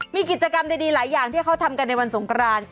มีกิจกรรมดีหลายอย่างที่เขาทำกันในวันสงคราน